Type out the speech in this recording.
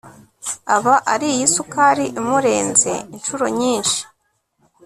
Aba ariye isukari imurenze inshuronyinshi